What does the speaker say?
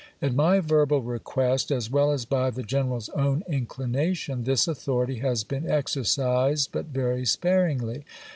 At my verbal request, as well as by the general's own inclination, this authority has been ex ercised but very sparingly.